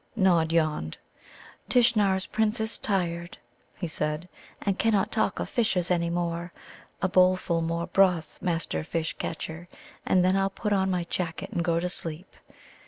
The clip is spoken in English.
Nod yawned. "Tishnar's Prince is tired," he said, "and cannot talk of fishes any more. A bowlful more broth, Master Fish catcher, and then I'll just put on my jacket and go to sleep."